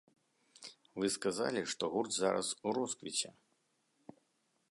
Вы сказалі, што гурт зараз у росквіце.